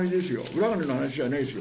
裏金の話じゃないですよ。